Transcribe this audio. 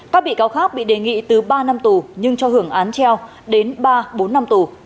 các bị cáo khác bị đề nghị từ ba năm tù nhưng cho hưởng án treo đến ba bốn năm tù